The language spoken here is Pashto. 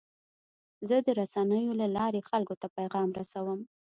زه د رسنیو له لارې خلکو ته پیغام رسوم.